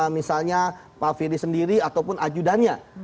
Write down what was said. misalnya pak firly sendiri ataupun ajudannya